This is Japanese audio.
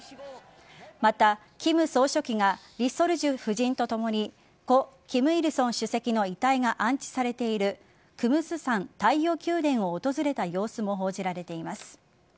また、金総書記がリ・ソルジュ夫人とともに故・金日成主席の遺体が安置されているクムスサン太陽宮殿を訪れた様子も報じられています。